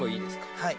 はい。